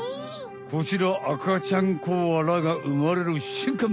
こちらあかちゃんコアラがうまれるしゅんかん！